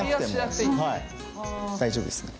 はい大丈夫ですね。